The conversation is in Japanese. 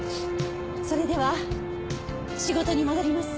それでは仕事に戻ります。